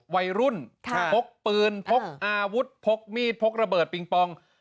วัยรุ่นพกปืนพกอาวุธพกมีดพกระเบิดปิงปอง